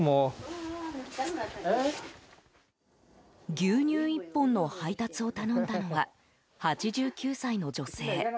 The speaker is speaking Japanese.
牛乳１本の配達を頼んだのは８９歳の女性。